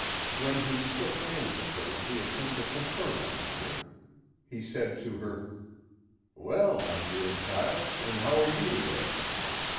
When he shook hands with her he assumed a paternal manner. He said to her: "Well, my dear child, and how are you today?